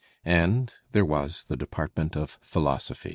And there was the department of philosophy.